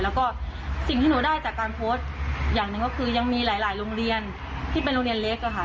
แล้วก็สิ่งที่หนูได้จากการโพสต์อย่างหนึ่งก็คือยังมีหลายโรงเรียนที่เป็นโรงเรียนเล็กอะค่ะ